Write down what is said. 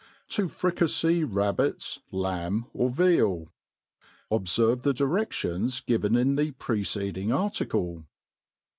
« To fricafey Rabbits^ Lamby dr Veal, Obferve the dire^^ions given in the preceding article.